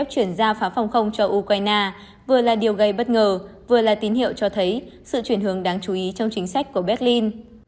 vừa là điều gây bất ngờ vừa là tín hiệu cho thấy sự chuyển hướng đáng chú ý trong chính sách của berlin